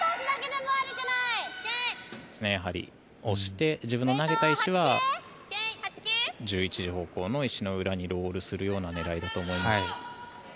押して、自分の投げた石は１１時方向の石の裏にロールするような狙いだと思います。